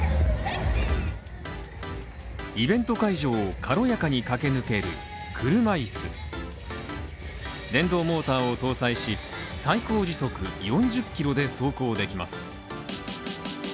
イベント会場を軽やかに駆け抜ける車いす電動モーターを搭載し、最高時速４０キロで走行できます。